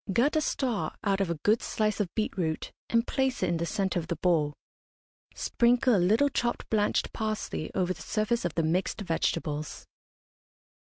Gut a star out of a good slice of beet root, and place it in the centre of the bowl; sprinkle a little chopped blanched parsley over the surface of the mixed vegetables.